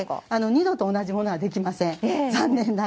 二度と同じものはできません。